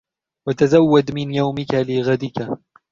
وَتَزَوَّدْ مِنْ يَوْمِك لِغَدِكَ